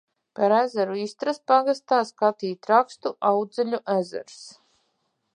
Par ezeru Istras pagastā skatīt rakstu Audzeļu ezers.